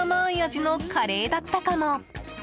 味のカレーだったかも。